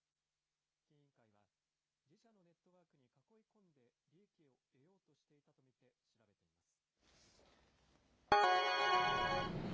公正取引委員会は、自社のネットワークに囲い込んで利益を得ようとしていたと見て、調べています。